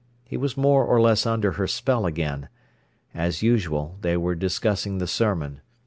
He was more or less under her spell again. As usual, they were discussing the sermon.